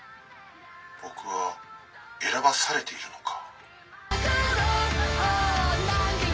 僕は選ばされているのか」。